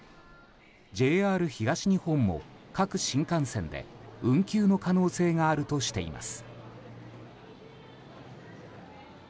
ＪＲ東日本も各新幹線で運休の可能性があるとしています。